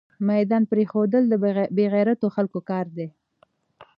ميدان پريښودل دبې غيرتو خلکو کار ده